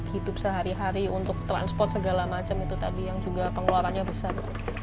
hidup sehari hari untuk transport segala macam itu tadi yang juga pengeluarannya besar